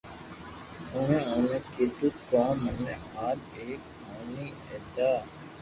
اونڻي اوني ڪيدو ڪو مني آج ايڪ موٺي ايتا